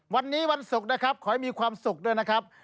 วันนี้วันศุกร์นะครับขอให้มีความสุขด้วยนะครับ